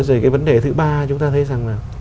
rồi cái vấn đề thứ ba chúng ta thấy rằng là